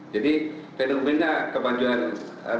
jadi fenomena kepanjuan negara itu seperti itu